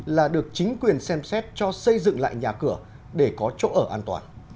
là được chính quyền xem xét cho xây dựng lại nhà cửa để có chỗ ở an toàn